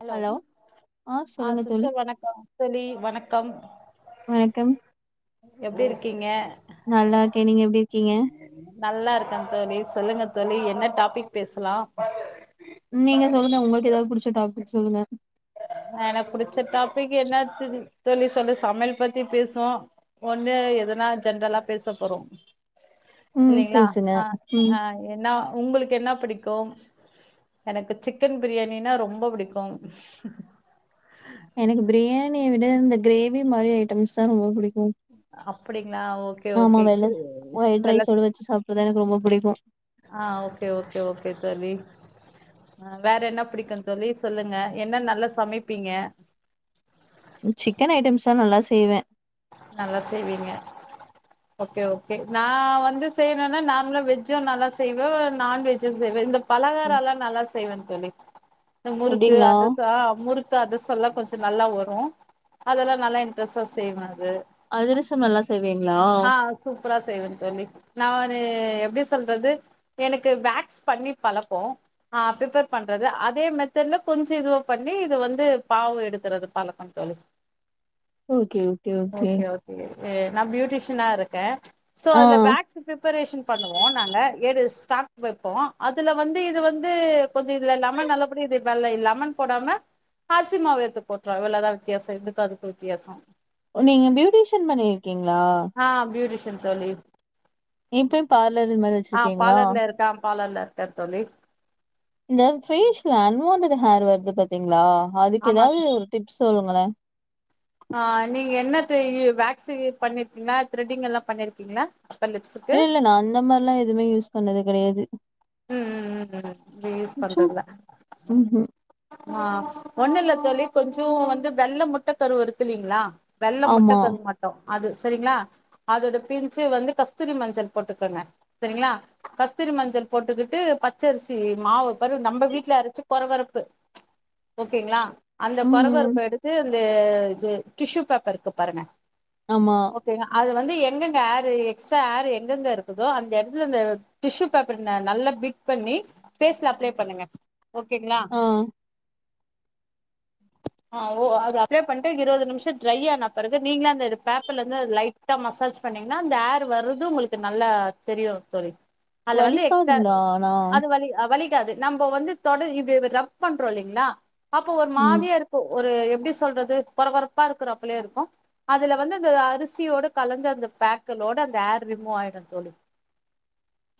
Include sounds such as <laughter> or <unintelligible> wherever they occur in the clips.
Hello ஆ சொல்லுங்க தோழி சிஸ்டர் வணக்கம் தோழி வணக்கம் வணக்கம் எப்டி இருக்கீங்க நல்லா இருக்கே நீங்க எப்டி இருக்கீங்க நல்லா இருக்கே தோழி சொல்லுங்க தோழி என்ன டாபிக் பேசலாம் நீங்க சொல்லுங்க உங்களுக்கு எதாவது புடிச்ச டாபிக் சொல்லுங்க எனக்கு புடிச்ச டாபிக் என்ன தோழி சொல்லு சமையல் பத்தி பேசுவோ ஒண்ணு எதனா ஜென்ரலா பேச போறோம் ம் இல்லைங்களா பேசுங்க ஆ ம் ஆ என்ன உங்களுக்கு என்ன பிடிக்கும் எனக்கு சிக்கன் பிரியாணினா ரொம்ப புடிக்கும் எனக்கு பிரியாணிய விட இந்த க்ரேவி மாரி ஐட்டம்ஸ் தா ரொம்ப புடிக்கும் அப்டிங்களா ஓகே ஓகே வெலக்கு தா எனக்கு ரொம்ப புடிக்கும் ஆ ஓகே ஓகே ஓகே தோழி அ வேற என்ன புடிக்கு தோழி சொல்லுங்க என்ன நல்லா சமைப்பீங்க சிக்கன் ஐட்டம்ஸ்லா நல்லா செய்வே நல்லா செய்வீங்க ஓகே ஓகே நா வந்து செய்யணுன்னா நாங்களு வெஜ்ஜு நல்லா செய்வோ நான்வெஜ்ஜு செய்வே இந்தப் பலகாரொல்லா நல்லா செய்வே தோழி இந்த முறுக்கு அப்டிங்களா அதுரசோ முறுக் த்தா அத சொல்ல கொஞ்ச நல்லா வரு அதெல்லாம் நல்லா இன்ட்ரெஸ்டா செய்யவே அது அதிரசம்நல்லா செய்வீங்ளா ஆ சூப்பரா செய்வங்க தோழி நா ஒரு எப்டி சொல்றது எனக்கு வேக்ஸ் பண்ணி பழக்கோ ஆ ப்ரேப்பர் பண்றது அதே மெத்தட்ல கொஞ்ச இதுவா பண்ணி இது வந்து பாவு எடுக்குறது பழ ஆ தோழி ஓகே ஓகே ஓகே நா பியூட்டிஷினா இருக்கே சோ ஆ அதுல வேக் பிரேப்ரேஷன் பண்ணுவோ நாங்க ஏழு ஸ்டாக் வைப்போ அதுல வந்து இது வந்து கொஞ்ச இதுல்ல லெமன் நல்லபடியா இது வெல்ல இல்ல லெமன் போடாம அரிசி மாவு எடுத்து போட்டுறோ இவ்ளோவுதா வித்தியாசோ இதுக்கு அதுக்கு வித்தியாசோ ஓ நீங்க பியூட்டீஷியன் பண்ணுவிங் க்கீங்ளா ஆ பியூட்டிஷன் தோழி இப்பயு பார்லர் இது மாரி ஆ வச்சிருக்கீங்களா பாலர்ல இருக்கா பாலர்ல இருக்கார் தோழி இந்த பேஷ்ல அன்வான்டட் ஹேர் வருது பாத்தீங்ளா அதுக்கு ஆமா எதாவது ஒரு டிப்ஸ் சொல்லுங்களே ஆ நீங்க என்ன தெயு வேக்ஸ் பண்ணிருக்கீங்ளா த்ரெட்டிங் எல்லா பண்ணிருக்கீங்ளா இல்ல இல்ல நா அந்த மார்ல்லா எதுவுமே யூஸ் பண்ணது கெடையாது ம் ம் ம் ம் இப்டி யூஸ் சும் பண்றதுல ம்ஹ்ம். ஆ ஒண்ணு இல்ல தோழி கொஞ்சோ வந்து வெள்ள முட்ட கருவு இருக்கு இல்லீங்ளா வெள்ளை முட்ட ஆமா. கரு மட்டு அது செரிங்களா அதோட பின்ஞ்சு வந்து கஸ்தூரி மஞ்சள் போட்டுக்கோங்க செரிங்களா கஸ்தூரி மஞ்சள் போட்டுக்கிட்டு பச்சரிசி மாவு பரு நம்ப வீட்ல அரச்சு கொரகொரப்பு ஓகேங்களா அந்த ம். கொரகொரப்ப எடுத்து அந்த இது டிஷ்யூ பேப்பருக்கு பாருங்க ஆமா ஓகேங்க அது வந்து எங்கெங்க ஆரு எக்ஸ்ட்ரா ஆர் எங்கெங்க இருக்குதோ அந்த எடத்துல அந்த டிஷ்யூ பேப் பர்ங்க நல்லா பிட் பண்ணி ஃபேஸ்ல அப்ளே பண்ணுங்க ஓகேங்ளா ஆ ஆ ஓ அது அப்ளை பண்ணிட்டு இருபது நிமிஷம் ட்ரை ஆன பறகு நீங்கள அந்த பேப்பர்லந்து லை ட்டா மசாஜ் பண்ணீங்கன்னா அந்த ஏர் வர்றது உங்களுக்கு நல்லா தெரியும் தோழி அல்ல வந்து எக்ஸ்ட்ரா வலிக்காதுங்களா ஆனா? அது வலி வலிக்காது நம்ம வந்து தொடர் இ ரப் பண்றோம் இல்லைங்களா அப்போ ஒரு ம். மாதியா இருக் கு ஒரு எப்படி சொல்றது கொரகொரப்பா இருக்குற அப்பலயே இருக்கும் அதுல வந்து அந்த அரிசியோட கலந்த அந்த பேக்களோட அந்த ஏர் ரிமூவ் ஆயிடும் தோழி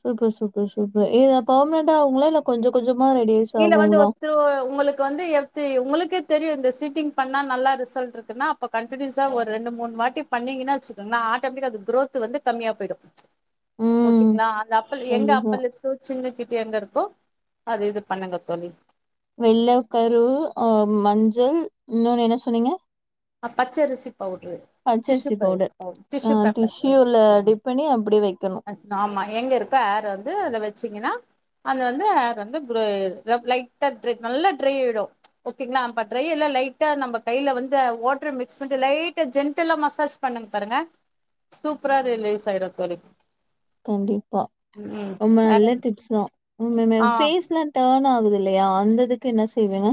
சூப்பர் சூப்பர் சூப்பர் ஏ பெர்மனன்டா ஆகுங்களா இல்ல கொஞ்சம் கொஞ்சமா ரெடியூஸ் ஆகுங்களா ந்து ஒ ஒங்களுக்கு வந்து எ ஒங்களுக்கே தெரியும் இந்த சீட்டிங் பண்ணா நல்லா ரிசல்ட் இருக்குன்னா அப்ப கண் கன்டினுஸா ஒரு ரெண்டு மூணு வாட்டி பண்ணீங்னா வச்சுக்கோங்கன்னா ஆட்டோமெட்டிக்க அது க்ரோத் வந்து கம்மியா போயிடும் ம். ஓகேங்களா அந்த அப்பல் எங்க கண்டிப்பா. அப்பல் லுப்ஸு சின்ன கட்டு எங்க இருக்கோ அது இது பண்ணுங்க தோழி வெள்ள கருவு அ மஞ்ச இன்னொன்னு என்ன சொன்னீங்க ஆ பச்சரிசி பவுட்ரு டிஷ்யூ பச்சரிசி பே பவுடர் அ டிஷ்யூ டிஷ்யூ உள்ள பேப்பர் டிப் பண்ணி அப்டி வைக்கணும் ஆமா எங்க இருக்கோ ஆர் வந்து அத வச்சீங்கன்னா அது வந்து ஆர் வந்து ப்லே ப்ரை ப்லைட்டா தெ நல்லா ட்ரை ஆயிடும் ஓகேங்களா நம்ப ட்ரை எல்லா லைட்டா நம்ம கையில வந் த வாட்டர மிக்ஸ் பட்டு லைட்டா ஜென்டல்லா மசாஜ் பண்ணுங் பாருங்க சூப்பரா அது லேஸ் ஆயிடும் தோழி கண்டிப்பா ம் ரொம்ப வேற நல்ல டிப்ஸ் தா உங்க ஆ <unintelligible> ஃபேஸ்ல டர்ன் ஆகுது இல்லையா அந்ததுக்கு என்ன செய்வீங்க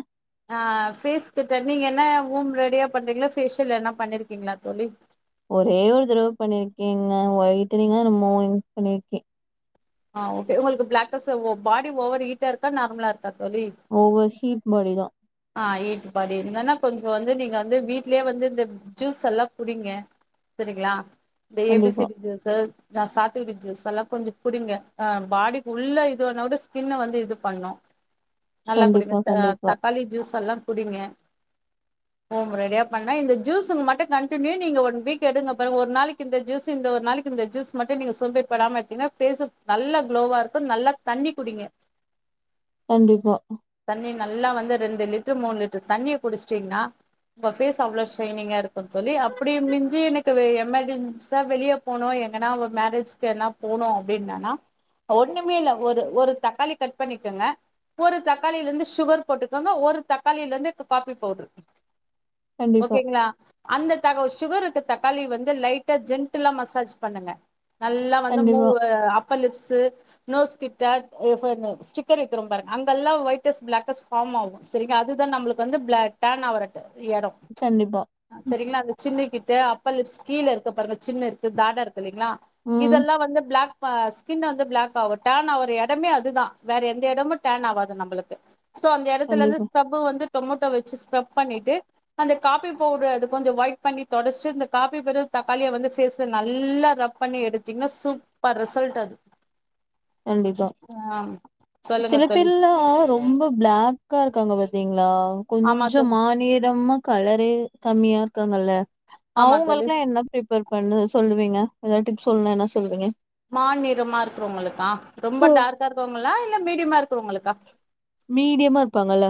நா ஃபேஸ்கிட்டே நீங்க என்ன ஊம் ரெடியா பண்றீங்களா ஃபேஷியல் என்ன பண்ணிருக்கீங்களா தோழி ஒரே ஒரு தடவ பண்ணிருக்கேங்க வயட்டனிங் நா மு யூஸ் பண்ணிருக்கேன் ஆ ஓகே உங்களுக்கு பிளாகஸ் ஒ பாடி ஓவர் ஹீட்டா இருக்கா நார்மலா இருக்கா தோழி ஓவர் ஹீப் பாடி தா ஆ ஹீட் பாடி இருந்தன்னா கொஞ்சம் வந்து நீங்க வந்து வீட்லயே வந்து இந்த ஜூஸ் எல்லாம் புடிங்க சரிங்களா இந்த ஏ பி கண்டிப்பா, சி ஜூஸ ஆ சாத்துக்குடி ஜூஸ் எல்லாம் கொஞ்சம் புடிங்க அ பாடிக்கு உள்ள இதுவு பண்ணாது ஸ்கின்ன வந்து இது பண்ணும் நல்லா குடிங்க கண்டிப்பா, த கண்டிப்பா, தக்காளி ஜூஸ் எல்லாம் குடிங்க ஹோம் ரெடியா பண்ணா இந்த ஜூஸுங் மட்டும் கண்டடினியூ நீங்க ஒன் வீக் எடுங்க பறவு ஒரு நாளைக்கு இந்த ஜூஸ் இந்த ஒரு நாளைக்கு இந்த ஜூஸ் மட்டும் நீங்க சொம்பேப்படாமத்தீங்கன்னா ஃபேஸ் நல்லா குளோவா இருக்கும் நல்லா தண்ணி குடிங்க கண்டிப்பா தண்ணி நல்லா வந்து ரெண்டு லிட்டர் மூணு லிட்டர் தண்ணிய குடிச்சிட்டீங்கன்னா உங்க. பேஸ் அவ்வளோ ஷைனிங்கா இருக்கு தோழி அப்படி மிஞ்சு எனக்கு வெ எமெர்ஜென்சியா வெளிய போனு எங்கன்னா மேரேஜ்க்கு என்ன போனு அப்டின்னானா ஒண்ணுமே இல்ல ஒரு ஒரு தக்காளி கட் பண்ணிக்கங்க ஒரு தக்காளியில இருந்து சுகர் போட்டுக் கோங்க ஒரு தக்காளியில இருந்து காபி பவுட்ரு கண்டிப்பா, ஓகேங்களா அந்த தகவு சுகர் இருக்கு தக்காளி வந்து லைட்டா ஜென்டலா மசாஜ் பண்ணுங்க நல்லா வந்து கண்டிப்பா, மூவு அப் இப்ப லிப்ஸு நோஸ் கிட்ட எஃப்ப எ ஸிக்கர் வைக்கிற பாருங்க அங்கல்லா வொய்டஸ்ட் பிளாகஸ்ட் ஆம்மாவு செரிங்க அதுதா நம்மளுக்கு வந்து பிளட் டேன் ஆவர எடோ கண்டிப்பா சரிங்களா அந்த சின்னு கிட்டு அப்பர் லிப்ஸ் கீழ இருக்க பாருங்க சின்னு இருக்கு தடா இருக் கில்லீங்களா ம். இதெல்லா வந்து பிளாக் இப்ப ஸ்கின்ன வந்து பிளாக் ஆகு டேன் ஆவற எடமே அதுதா வேற எந்த எடமு டேன் ஆவாது நம்பளுக்கு சோ அந்த எடத்துல இருந்து கண்டிப்பா, ஸ்க்ரப்பு வந்து டொமட்டோ வச்சு ஸ்க்ரப் பண்ணிட்டு அந்த காபி பவுட அது கொஞ்சோ ஒயிட் பண்ணி தொடச்சிட்டு இந்த காப்பி பதில் தக்காளிய வந்து ஃபேஸ்ல நல்லா ரப் பண்ணி எடுத்தீங்கன்னா சூப்பர் ரிசல்ட் அது கண்டிப்பா ஆ சொல்லுங்க தோழி சிலப்பேர்ல்ல ரொம் ரொம்ப பிளாக்கா இருக்காங்க பாத்தீங்களா ஆமா கொஞ்ச தோழி மாநிறமா கலரே கம்மியா இருக்காங்கல்ல ஆமா தோழி அவங்களுக்கெல்லா என்ன ப்ரி பேர் பண்ண சொல்லுவீங்க ஏதாவது டிப்ஸ் சொல்லணுனா என்ன சொல்லுவீங்க மாநிறமா இருக்கிறவங்களுக்கா ரொம்ப ஓ! டார்க்கா இருக்கவங்களா இல்ல மீடியமா இருக்குறவங்களுக்கா மீடியமா இருப்பாங்கல்ல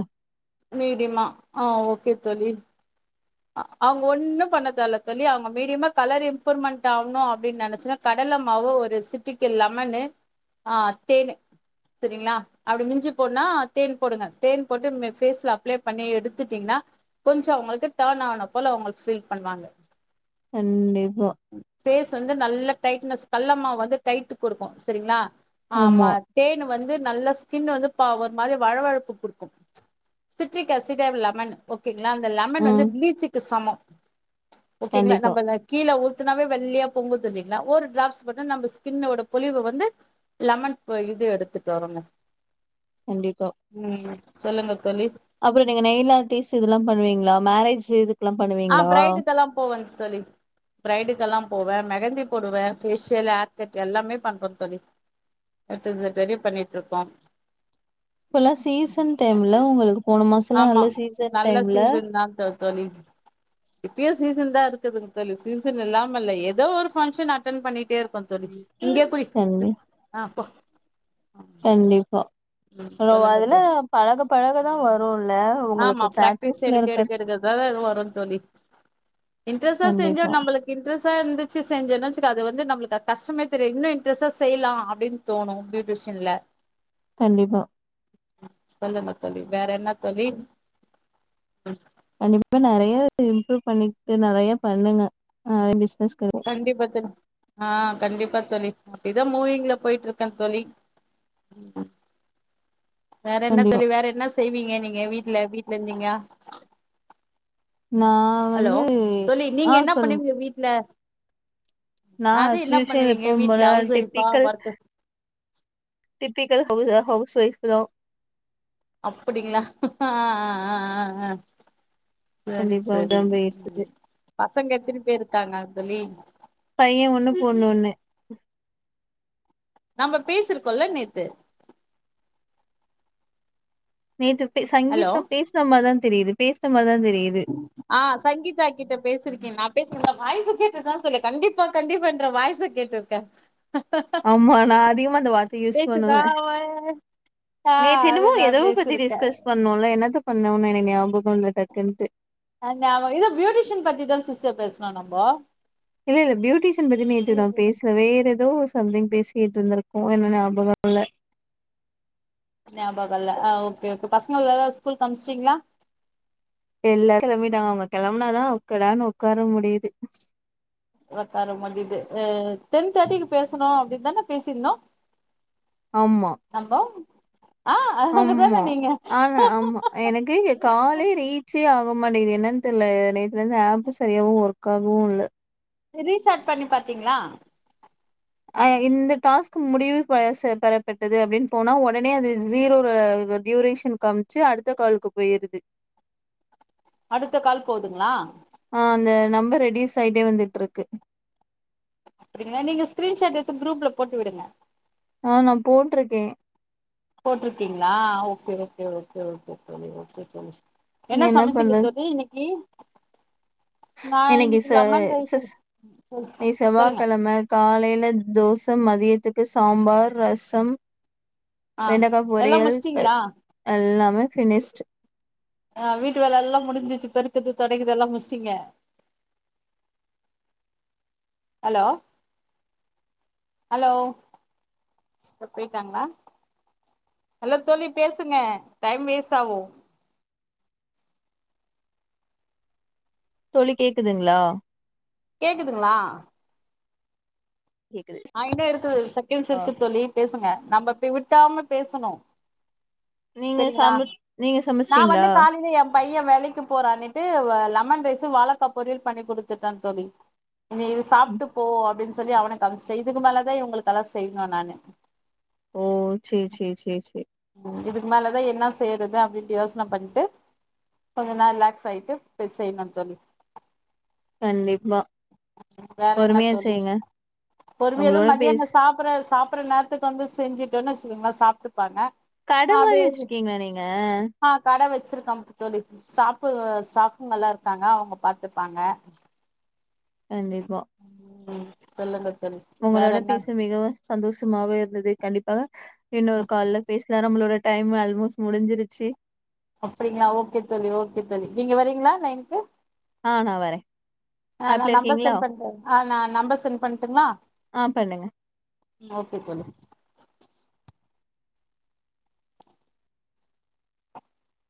மீடியமா ஆ ஓகே தோழி அவங்க ஒன்னு பண்ணத் தேவல்ல தோழி அவங்க மீடியமா கலர் இம்ப்ரூவ்மெண்ட் ஆகணு அப்டின்னு நெனச்சின்னா கடல மாவு ஒரு சிட்டிக லெமன்னு ஆ தேனு செரிங்களா அப்டி மிஞ்சி போன தேன் போடுங்க தேன் போட்டு ஃபேஸ்ல அப்ளை பண்ணி எடுத்துட்டீங்கன்னா கொஞ்சோ அவ்ங்களுக்கு டேன் ஆனப் போல அவங்க ஃபீல் பண்ணுவாங்க கண்டிப்பா ஃபேஸ் வந்து நல்ல டைட்னஸ் கல்லமாவு வந்து டைட் கொடுக்கு சரிங்களா ஆமா தேன் வந்து நல்ல ஸ்கின் வந்து பா ஒரு மாரி வழவழப்பு குடுக்கும் சிட்ரிக் அசிடர் லெமனு ஓகேங்களா அந்த லெமன் வந்து ம் பிளீச்சுக்கு சமோ ஓகேங்களா கண்டிப்பா நம்ம கீழ ஊ ஊத்துனாவே வெள்ளையா பொங்குது இல்லங்களா ஒரு டிராப்ஸ் மட்டு நம்ம ஸ்கின்னோட பொலிவு வந்து லெமன் ப இது எடுத்துட்டு வருங்க கண்டிப்பா ம் சொல்லுங்கத் தோழி அப்புற நீங்க நெயில் ஆர்டீஸ் இதெல்லா பண்ணுவீங்களா மேரேஜ் இது ஆ பிரைடுக்கெல்லா போவே தோழி பிரைடுக்கெல்லா போவே மெகந்தி போடுவே ஃபேஷியல் ஹேர் கட் எல்லாமே பண்ற தோழி தட்டீஸ் ரெடி பண்ணிட்டு இருக்கோ இப்பல்லா சீசன் டைம்ல உங்களுக்கு போன மாசம்லா ஆமா நல்ல சீசன் நல்ல டைம்ல சீசன் தா தோ தோழி இப்பயு சீசன் தா இருக்குதுங்க தோழி சீசன் இல்லாமல்ல ஏதோ ஒரு ஃபங்க்ஷன் அட்டன் பண்ணிட்டே இருக்கோ தோழி இங்கே குளி கண்டி ஆ போ கண்டிப்பா ம் அவ்ளோ சொல்லுங்க அதுல்ல தோழி பழகப் பழக த வருல்ல ஆமா உங்களுக்கு பிராக்டிஸ் பிராக்டிஸ்ல எடுக்க இருக்க எடுக்க எடுக்கதால அது வரு தோழி இன்ட்ரெஸ்டா செஞ்சா கண்டிப்பா நம்மளுக் இன்ட்ரெஸ்டா இருந்துச்சு செஞ்சன்னாச்சுக்கு அது வந்து நம்மளுக்கு கஷ்டமே தெரியாது இன்னு இன்ட்ரெஸ்டா செய்யல அப்டின்னு தோணும் பியூட்டிஷியன்ல கண்டிப்பா சொல்லுங்க தோழி வேற என்ன தோழி ம் கண்டிப்பா நெறைய இம்ப்ரூவ் பண்ணிட்டு நெறைய பண்ணுங்க ஆ பிசினஸ்க்கு கண்டிப்பா தோழி ஆ கண்டிப்பா தோழி அப்டிதா மூவிங்ல போட்ருக்கே தோழி ம் வேற என்ன கண்டிப்பா தோழி வேற என்ன செய்வீங்க நீங்க வீட்ல வீட்ல இருந்தீங்னா? நா வந்து ஆ சொல்லுங் உங்க வீட்ல நான் அது என்ன அஸ்யூஸ்ஸல் பண்ணுவீங்க எப்பவு வீட்ல போல ஹவுஸ் ஒய்ஃபா டிப்பிக்கல் ஒர்க் டிப்பிக்கல் ஹவுஸ ஹவுஸ் ஒய்ஃப்லா அப்படிங்களா ஆ ஆ ஆ ஆ ஆ செரி கண்டிப்பா செரி அப்டிதா போயிட்ருக்கு ம் பசங்க எத்தினி பேர் இருக்காங்க தோழி பைய ஒன்னு, பொண்ணு ஒன்னு நம்ம பேசிருக்கோல்ல நேத்து நேத்து பே ஹலோ சங்கீதா பேஸ்ன மார தா தெரியிது பேஸ்ன மார தா தெரியிது ஆ சங்கீதா கிட்ட பேசிருக்கே நா பேசிர்ந்த வாய்ஸு கேட்டு தா சொன்னே கண்டிப்பா கண்டிப்பான்ற வாய்ஸு கேட் டுருக்கே ஆமா நா அதிகமா அந்த வார்த்தைய யூஸ் பேசுதா பண்ணுவே அவ ஆ நேத்து அது என்னமோ எதோ நான் பத்தி பேசிருக்கேன் டிஸ்கஸ் பண்ணோல்ல என்னத்த பண்ணோன்னு எனக் ஞாபகோ இல்ல டக்குன்ட்டு அந்த அவ இத ப்யூட்டீஷ்யன் பத்தி தா சிஸ்டர் பேஸ்னோ நம்போ இல்ல இல்ல ப்யூட்டீஷ்யன் பத்தி நேத்து நா பேச வேறெதோ சம்திங் பேசிட்ருந்துருக்கோ என்ன ஞாபகோ இல்ல ஞாபகோ இல்ல ஆ ஓகே ஓகே பசங்கள் எல்லா ஸ்கூல்க்கு அம்ஸ்ட்டீங்ளா எல்லாரு கெளம்பிட்டாங்க அவங்க கெளம்னாதா அக்கடான்னு ஒக்கார முடியிது. ஒக்கார முடிது அ டென் தேட்டிக்கு பேசனோ அப்டின் தான பேசிருந்தோ ஆமா நம்போ ஆ ஆம்மா அவங்கதான நீங்க ஆனா ஆமா எனக்கு காலே ரீச்சே ஆக மாட்டேங்கிது என்னன் தெர்ல நேத்துலர்ந்து ஆப்பு செரியாவு ஒர்க் ஆகவு இல்ல ரீ ஸ்டாட் பண்ணி பாத்தீங்ளா அ இந்த டாஸ்க் முடிவு பெ ச பெறப்பட்டது அப்டின் போனா ஒடனே அது ஜீரோல அ ப டியூரே ஷன் காம்ச்சு அடுத்த காலுக்கு போயிருது அடுத்த கால் போதுங்ளா ஆ அந்த நம்பர் ரெடியூஸ் ஆயிட்டே வந்துட்ருக்கு அப்டிங்ளா நீங்க ஸ்கீரீன்ஷாட் எட்த்து குரூப்ல போட்டு விடுங்க ஆ நா போட்ருக்கே போட்ருக்கீங்ளா ஓகே ஓகே ஓகே ஓகே தோழி ஓகே தோழி நீ என்ன சமச்சீங்க பண்றது? தோழி இன்னைக்கி இன்னைக்கு ச லெமன் ரைஸ் சிஸ் சொல் இன்னிக் சொல்லுங்க செவ்வாக்கெழம காலைல தோச மதியத்துக்கு சாம்பார், ரசம் ஆ வெண்டக்கா எல்லா பொரியல் முடிச்சிட்டீங்களா எல்லாமே ஃபினிஷ்டு ஆ வீட்டு வேல எல்லா முடிஞ்சிச்சு பெருக்கற்து தொடைக்கற்து எல்லா முட்ஸ்ட்டீங்க அலோ அலோ போய்ட்டாங்ளா அலோ தோழி பேசுங்க டைம் வேஸ்ட் ஆவு தோழி கேக்குதுங்ளா கேக்குதுங்ளா கேக்குது. ஆயின்னே இருக்குது செகண்ட்ஸ் ஆ இருக்கு தோழி பேசுங்க நம்ம இப்டி விட்டாம பேசணு நீங்க செரிங்ளா சம நீங்க நா சமச்சிட்டீங்களா வந்து காலைல எம் பையன் வேலைக்கு போறானுட்டு வ லெமன் ரைஸு வாழக்கா பொரியல் பண்ணி குடுத்துட்டன் தோழி நீ இது சாப்ட்டு போ அப்டின்னு சொல்லி அவுனுக்கு அனுப்ச்சிட்ட இதுக்கு மேலேதா இவுங்களுக்கெல்லா செய்யணு நானு ஓ சேரி சேரி சேரி சேரி ம் இதுக்கு மேலதா என்னா செய்யறது அப்டின்ட்டு யோசன பண்ட்டு கொஞ்ச நேரோ ரிலாக்ஸ் ஆயிட்டு போய் செய்யணு தோழி கண்டிப்பா வேற என்ன பொறுமையா தோழி செய்யுங்க பொறுமையா உங்களோட மதியானோ பேஸ் சாப்டற சாப்பற நே த்துக்கு வந்து செஞ்சுட்டோனு வெச்சுக்கோங்கலேங்க சாப்ட்டுப்பாங்க கட மாரி அப்டியே வெச்சிருக்கீங்ளா நீங்க ஆ கட வெச்சிருக்கம் தோழி ஸ்டாப்பு ஸ்டாஃபுங்கல்லா இருக்காங்க அவுங்க பாத்துப்பாங்க கண்டிப்பா ம் சொல்லுங்க தோழி வேற உங்களோட என்ன பேச மிகவும் சந்தோஷமாக இருந்தது கண்டிப்பாக இன்னொரு ம் கால்ல பேசலா நம்மளோட டைம் ஆல்மோஸ்ட் முடிஞ்சிருச்சு அப்டிங்ளா ஓகே தோழி ஓகே தோழி நீங்க வர்ரீங்ளா லைன்க்கு ஆ நா வர ஆ நா நம்பர் சென் பண்டு ஆ நா நம்பர் சென் பண்ணட்டுங்ளா ஆ பண்ணுங்க ம் ஓகே தோழி